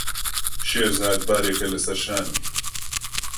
شێرزاد بارێکە لەسەر شانم.